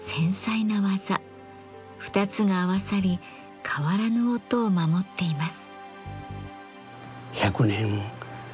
２つが合わさり変わらぬ音を守っています。